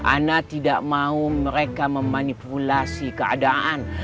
ana tidak mau mereka memanipulasi keadaan